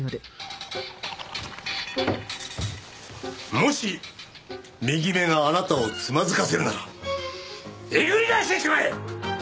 もし右目があなたをつまずかせるならえぐり出してしまえ！